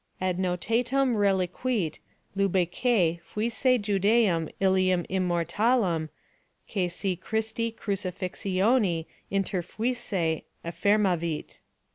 adnotatum reliquit Lubecæ fuisse Judæum illum immortalem, qui se Christi crucifixioni interfuisse affirmavit."